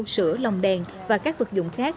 sữa lòng đèn và các vật dụng khác